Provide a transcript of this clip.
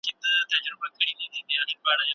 که سردرد شدید وي، ارام وکړئ.